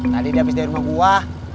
tadi di abis dari rumah gua